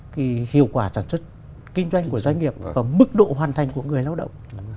thì hiệu quả sản xuất kinh doanh của doanh nghiệp và mức độ hoàn thành của người lao động